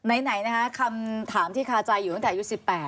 อ่ะไหนนะครับคำถามที่คาจัยอยู่ตั้งแต่อายุ๑๘